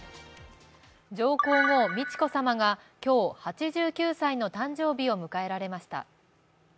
上皇后美智子さまが今日、８９歳の誕生日を迎えられました。